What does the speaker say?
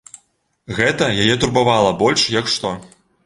Гэта яе турбавала больш як што.